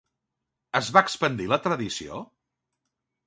Es va expandir la tradició?